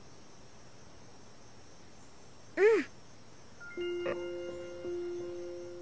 うん！